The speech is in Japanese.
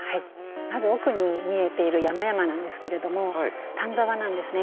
まず奥に見えている山々なんですけれども丹沢なんですね。